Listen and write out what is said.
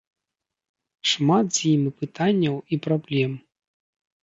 Шмат з імі пытанняў і праблем.